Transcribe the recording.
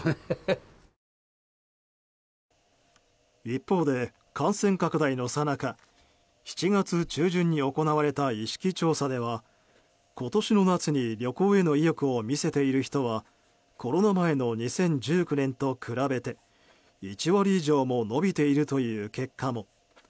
一方で、感染拡大のさなか７月中旬に行われた意識調査では今年の夏に旅行への意欲を見せている人はコロナ前の２０１９年と比べて１割以上も伸びているという結果も。